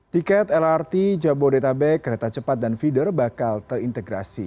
tiket lrt jabodetabek kereta cepat dan feeder bakal terintegrasi